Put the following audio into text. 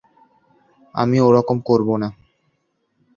আমি ওরকম করব না।